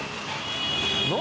何？